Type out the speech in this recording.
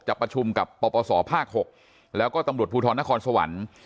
ประชุมกับปปศภาค๖แล้วก็ตำรวจภูทรนครสวรรค์